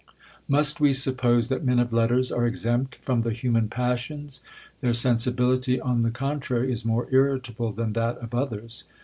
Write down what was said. Must we suppose that men of letters are exempt from the human passions? Their sensibility, on the contrary, is more irritable than that of others.